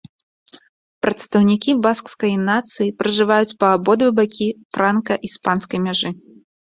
Прадстаўнікі баскскай нацыі пражываюць па абодва бакі франка-іспанскай мяжы.